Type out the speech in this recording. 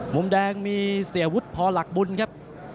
มุมแดงมีเสียวุฒิพอหลักบุญครับ